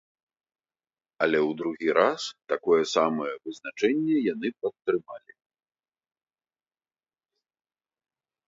Але ў другі раз такое самае вызначэнне яны падтрымалі.